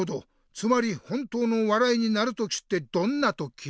つまり本当の笑いになる時ってどんな時？